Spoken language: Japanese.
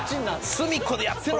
「隅っこでやってろ！」。